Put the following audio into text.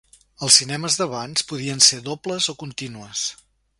Als cinemes d'abans podien ser dobles o contínues.